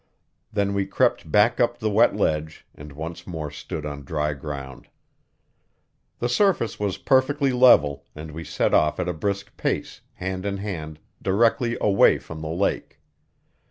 Then we crept back up the wet ledge, and once more stood on dry ground. The surface was perfectly level, and we set off at a brisk pace, hand in hand, directly away from the lake.